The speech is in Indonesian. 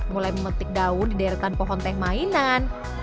mulai memetik daun di daerah pohon teh mainan